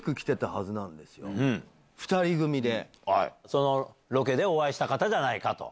そのロケでお会いした方じゃないかと。